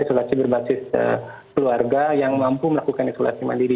isolasi berbasis keluarga yang mampu melakukan isolasi mandiri